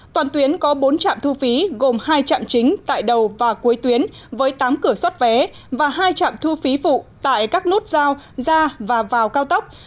toàn tuyến có bốn trạm thu phí gồm hai trạm chính tại đầu và cuối tuyến với tám cửa xuất vé và hai trạm thu phí phụ tại các nút giao ra và vào cao tốc